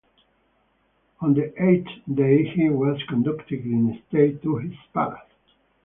On the eighth day he was conducted in state to his palace.